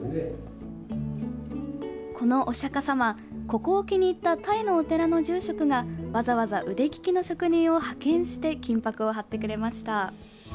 このお釈迦様ここを気に入ったタイのお寺の住職がわざわざ腕利きの職人を派遣して金ぱくを貼ってくれました。